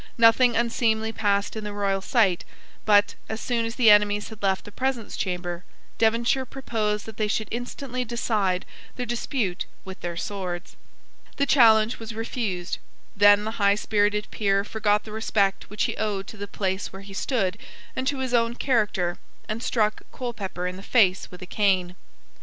Nothing unseemly passed in the royal sight; but, as soon as the enemies had left the presence chamber, Devonshire proposed that they should instantly decide their dispute with their swords. The challenge was refused. Then the high spirited peer forgot the respect which he owed to the place where he stood and to his own character, and struck Colepepper in the face with a cane.